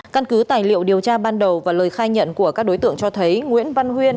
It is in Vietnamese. căn cứ tài liệu điều tra ban đầu và lời khai nhận của các đối tượng cho thấy nguyễn văn huyên